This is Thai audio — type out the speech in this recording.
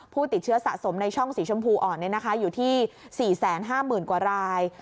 ผู้ติดเชื้อสะสมในช่องสีชมพูอ่อนอยู่ที่๔๕๐๐๐กว่าราย